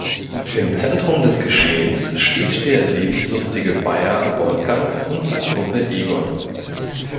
Im Zentrum des Geschehens steht der lebenslustige Bayer Wolfgang und sein Kumpel Egon.